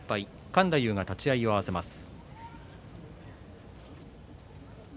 勘太夫が立ち合いを合わせます。